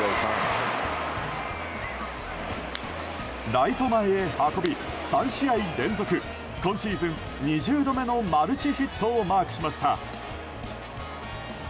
ライト前へ運び３試合連続今シーズン２０度目のマルチヒットをマークしました。